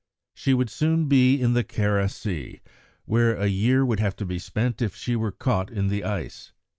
She would soon be in the Kara Sea, where a year would have to be spent if she were caught in the ice.